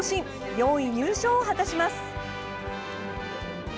４位入賞を果たします。